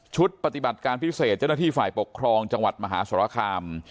ปฏิบัติการพิเศษเจ้าหน้าที่ฝ่ายปกครองจังหวัดมหาสรคาม